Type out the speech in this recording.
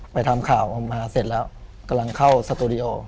ไปทำข่าวออกมาเสร็จแล้วกำลังเข้าสตูดิโอ